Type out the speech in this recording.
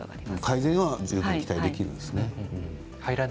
改善は期待できるんですね。